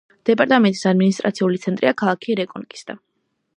დეპარტამენტის ადმინისტრაციული ცენტრია ქალაქი რეკონკისტა.